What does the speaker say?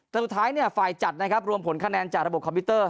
สุดท้ายเนี่ยไฟล์จัดนะครับรวมผลคะแนนจากระบบคอมพิวเตอร์